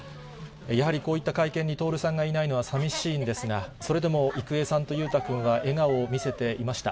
やはりこういった会見に徹さんがいないのはさみしいんですが、それでも、郁恵さんと裕太君は笑顔を見せていました。